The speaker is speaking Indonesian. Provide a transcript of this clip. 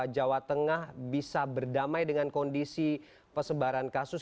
jawa tengah bisa berdamai dengan kondisi pesebaran kasus